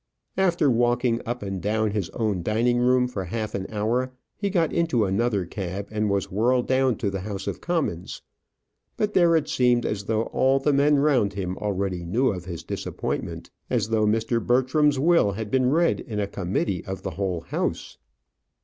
After walking up and down his own dining room for half an hour, he got into another cab, and was whirled down to the House of Commons. But there it seemed as though all the men round him already knew of his disappointment as though Mr. Bertram's will had been read in a Committee of the whole House.